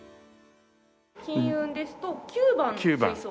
金運ですと９番の水槽。